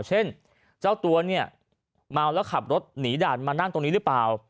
เช่นเจ้าตัวเนี่ยเมาแล้วขับรถหนีด่านมานั่งตรงนี้หรือเปล่า